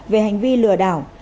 về hành vi lừa đảo